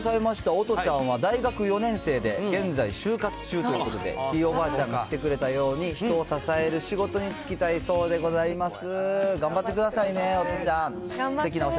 おとちゃんは大学４年生で、現在就活中ということで、ひいおばあちゃんがしてくれたように、人を支える仕事に就きたいそうでございます。